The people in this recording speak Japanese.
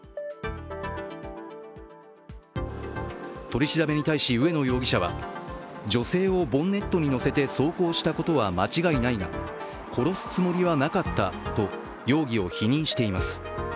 取り調べに対し上野容疑者は女性をボンネットに乗せて走行したことは間違いないが、殺すつもりはなかったと容疑を否認しています。